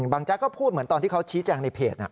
แจ๊กก็พูดเหมือนตอนที่เขาชี้แจงในเพจ